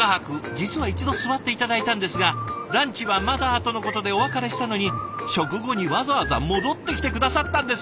実は一度座って頂いたんですが「ランチはまだ」とのことでお別れしたのに食後にわざわざ戻ってきて下さったんです。